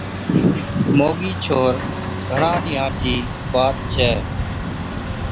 موڳَي ڇوهر: گھڻا ڏِينهان چِي بات ڇَي،